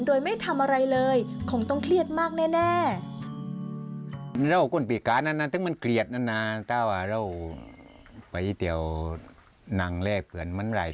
โดยไม่ทำอะไรเลยคงต้องเครียดมากแน่